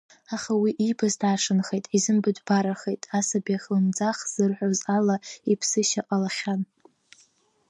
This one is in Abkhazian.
Аха уа иибаз даршанхеит, изымбатәбарахеит, асаби ахлымӡаах ззырҳәо ала иԥсышьа ҟалахьан…